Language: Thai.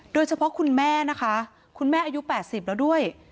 โดยเฉพาะคุณแม่นะคะคุณแม่อายุ๘๐แล้วด้วย